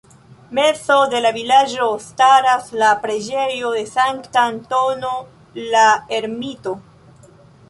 Mezo de la vilaĝo staras la preĝejo de Sankta Antono la Ermito.